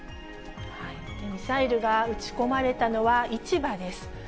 ミサイルが撃ち込まれたのは、市場です。